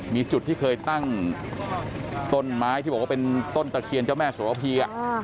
มีจุดที่เคยตั้งต้นไม้ที่บอกว่าเป็นต้นตะเคียนเจ้าแม่สวรพี